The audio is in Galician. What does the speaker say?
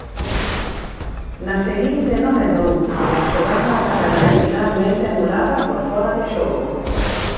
Na seguinte non errou pero a xogada acabaría finalmente anulada por fóra de xogo.